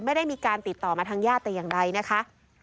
ไม่ได้มีการติดต่อมาทางญาติแต่อย่างใดนะคะ